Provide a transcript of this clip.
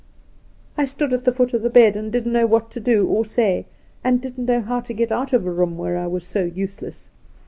' I stood at the foot of his bed, and didn't know what to do or say, and didn't know how to get out of a room where I was so useless.